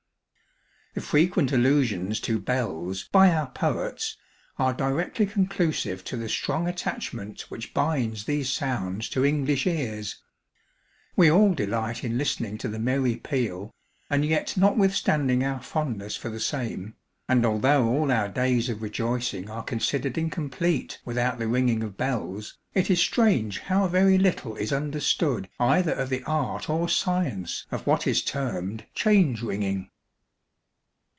The frequent allusions to bells by our poets are directly conclusive to the strong attachment which binds these sounds to English ears. We all delight in listening to the merry peal, and yet notwithstanding our fondness for the same, and although all our days of rejoicing are considered incomplete without the ringing of bells, it is strange how very little is understood either of the art or science of what is termed change ringing.